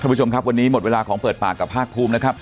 ผู้ชมครับวันนี้หมดเวลาของเปิดปากกับภาคภูมินะครับ